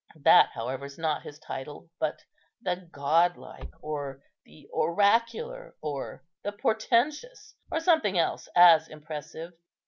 That, however, is not his title, but the 'godlike,' or the 'oracular,' or the 'portentous,' or something else as impressive.